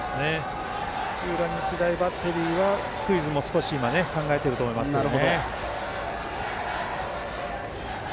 土浦日大バッテリーはスクイズも、少し考えているとは思いますけどね。